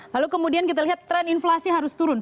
lalu kemudian kita lihat tren inflasi harus turun